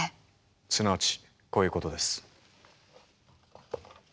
すなわちこういうことです。